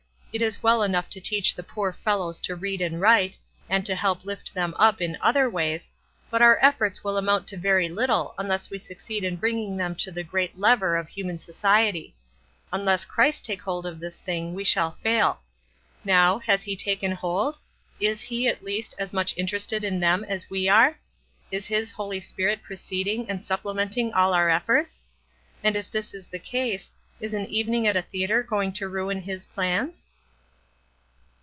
It is well enough to teach the poor fellows to read and write, and to help lift them up in other ways, but our efforts will amount to very little unless we succeed in bringing them to the great Lever of human society; unless Christ take hold of this thing we shall fail. Now, has He taken hold? Is He, at least, as much interested in them as we are? Is His Holy Spirit preceding and supplementing all our efforts? And, if this is the case, is an evening at a theatre going to ruin His plans?"